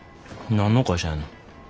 何の会社やんの？